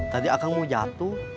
tadi akang mau jatuh